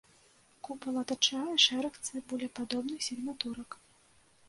Купал атачае шэраг цыбулепадобных сігнатурак.